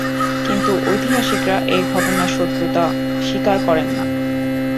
কিন্তু ঐতিহাসিকরা এই ঘটনার সত্যতা স্বীকার করেন না।